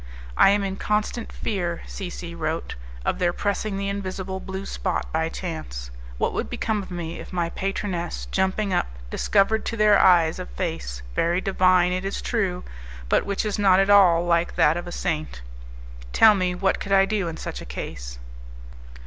"I am in constant fear," C C wrote, "of their pressing the invisible blue spot by chance. What would become of me, if my patroness, jumping up, discovered to their eyes a face very divine, it is true, but which is not at all like that of a saint? Tell me, what could I do in such a case?"